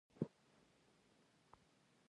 ژورې سرچینې د افغانستان د بڼوالۍ برخه ده.